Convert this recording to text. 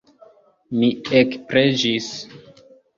Mi ekpreĝis.